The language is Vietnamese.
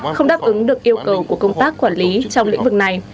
không đáp ứng được yêu cầu của công tác quản lý trong lĩnh vực này